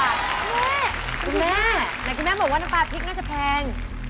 คุณแม่คุณแม่ไหนคุณแม่บอกว่าน้ำปลาพริกน่าจะแพง